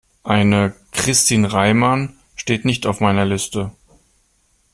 Eine Christin Reimann steht nicht auf meiner Liste.